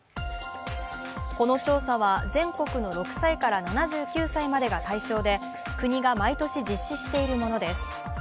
この調査は全国の６歳から７９歳までが対象で国が毎年実施しているものです。